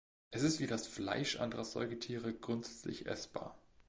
Es ist wie das Fleisch anderer Säugetiere grundsätzlich essbar.